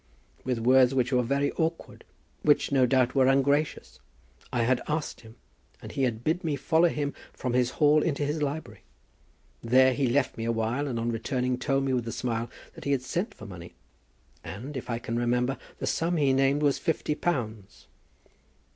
With words which were very awkward, which no doubt were ungracious I had asked him, and he had bid me follow him from his hall into his library. There he left me awhile, and on returning told me with a smile that he had sent for money, and, if I can remember, the sum he named was fifty pounds."